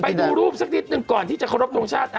ไปดูรูปสักนิดนึงก่อนที่จะครบโลกชาติ